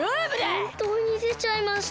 ほんとうにでちゃいました！